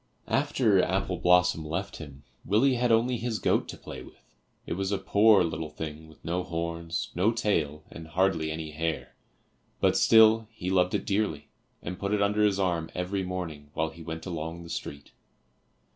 After Apple blossom left him, Willie had only his goat to play with; it was a poor little thing with no horns, no tail and hardly any hair, but still he loved it dearly, and put it under his arm every morning while he went along the street.